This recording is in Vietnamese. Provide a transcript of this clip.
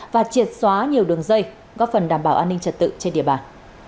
và triệt xóa nhiều đường dây góp phần đảm bảo an ninh trật tự trên địa bàn